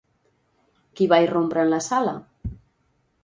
Qui va irrompre en la sala?